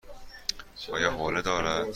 آیا حوله دارد؟